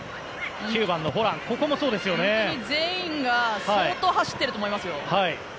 全員が相当走っていると思います。